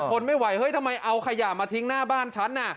แกทนไม่ไหวทำไมเอาขยะมาทิ้งหน้าบ้านฉัน